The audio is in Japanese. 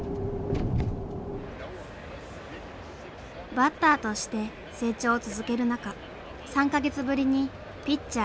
バッターとして成長を続ける中３か月ぶりにピッチャー